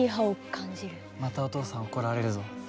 またお父さん怒られるぞ。